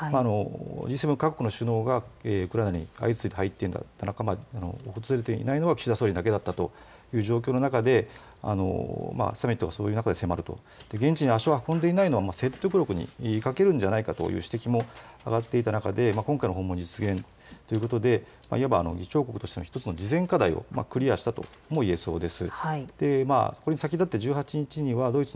Ｇ７各国の首脳がウクライナに相次いで入っている中で訪れていないのは岸田総理だけだったという状況の中でサミットが、そういう中で迫ると、現地に足を運んでいないのは説得力に欠けるんじゃないかという指摘も上がっていた中で今回の訪問実現ということでいわば議長国としての１つの重点課題をクリアしたともいえそうです。